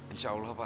insya allah pak